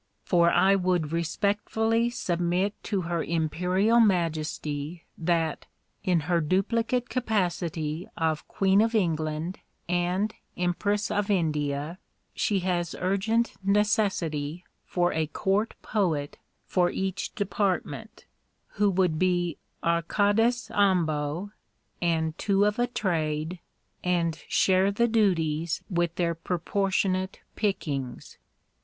For I would respectfully submit to Her Imperial Majesty that, in her duplicate capacity of Queen of England and Empress of India, she has urgent necessity for a Court Poet for each department, who would be Arcades ambo and two of a trade, and share the duties with their proportionate pickings.